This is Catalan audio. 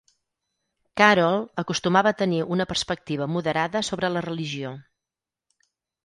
Carroll acostumava a tenir una perspectiva moderada sobre la religió.